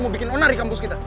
mau bikin onar di kampus kita